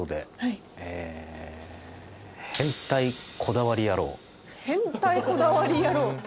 「変態こだわり野郎」？